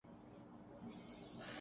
میں مایوسی اور بے یقینی نہیں ہوتی